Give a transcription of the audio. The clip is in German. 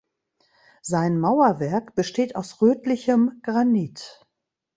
Sein Mauerwerk besteht aus rötlichem Granit.